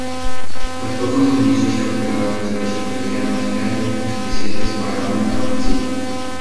Los pocos suministros capturados de los australianos eran insuficientes para una nueva ofensiva.